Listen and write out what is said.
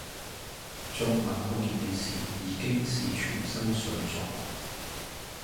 昨晚看見你時已經是全身水腫